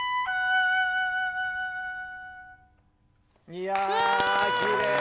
いやあきれい。